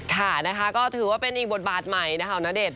ค่ะนะคะก็ถือว่าเป็นอีกบทบาทใหม่นะคะณเดชน